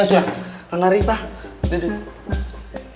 orang arifah duduk